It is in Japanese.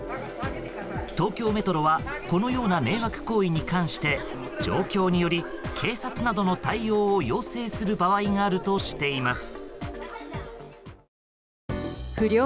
東京メトロはこのような迷惑行為に関して状況により警察などの対応を要請する場合があるとしています。